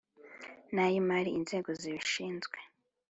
N ay imari inzego zibishinzwe